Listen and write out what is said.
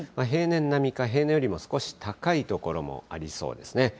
平年並みか、平年よりも少し高い所もありそうですね。